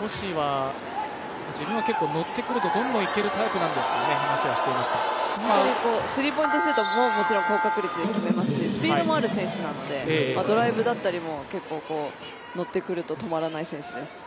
星は、自分は結構乗ってくるとどんどんいけるタイプなんですという本当にスリーポイントももちろん高確率で決めますしスピードもある選手なので、ドライブだったりも結構乗ってくると止まらない選手です。